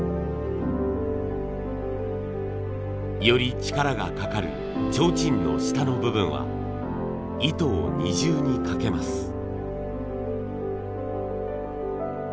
より力がかかるちょうちんの下の部分は糸を二重にかけます。